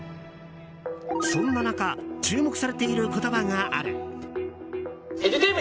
そんな中注目されている言葉がある。